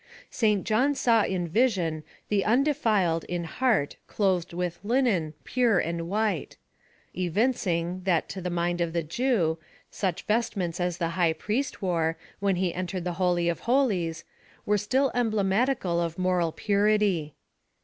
St. John saw in vision the un defined in heart clothed with linen pure and white ; evincing, that to the mind of the Jew, such vest ments as the high priest wore, wher he entered the holy of holies, were still emblematical of moral pu rity.